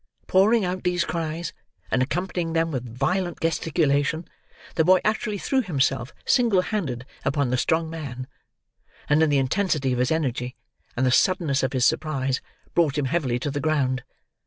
Pouring out these cries, and accompanying them with violent gesticulation, the boy actually threw himself, single handed, upon the strong man, and in the intensity of his energy and the suddenness of his surprise, brought him heavily to the ground.